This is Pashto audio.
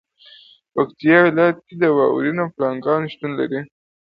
پکتیکا ولایت کې واورین پړانګان شتون لري.